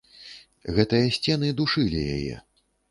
Гэтыя сцены душылі яе.